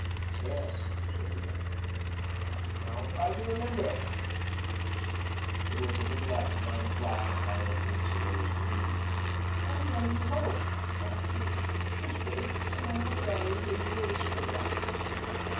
"Yes," said the young man; "I'll try to remember." It was a little after nine o'clock when Harold Bince arose to leave. "I'll drive you home," volunteered the girl. "Just wait, and I'll have Barry bring the roadster around."